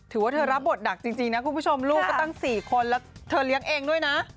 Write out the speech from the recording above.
ถือว่าเธอรับบทหนักจริงนะคุณผู้ชมลูกก็ตั้ง๔คนแล้วเธอเลี้ยงเองด้วยนะ